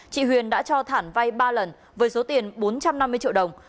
chị huyền đã cho thản vay ba lần với số tiền bốn trăm năm mươi triệu đồng